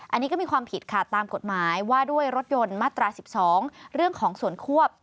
อันนี้ก็มีความผิดค่ะตามกฎหมายว่าด้วยรถยนต์มาตรา๑๒เรื่องของส่วนควบ